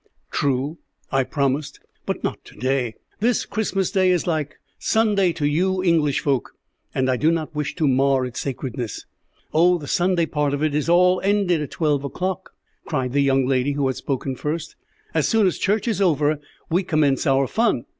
"True, I promised, but not to day. This Christmas Day is like Sunday to you English folk, and I do not wish to mar its sacredness." "Oh, the Sunday part of it is all ended at twelve o'clock," cried the young lady who had spoken first. "As soon as church is over we commence our fun.